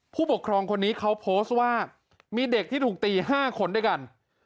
ผู้ปกครองคนนี้เขาโพสต์ว่ามีเด็กที่ถูกตี๕คนด้วยกัน